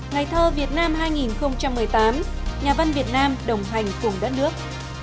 ngày thơ việt nam hai nghìn một mươi tám nhà văn việt nam đồng hành cùng đất nước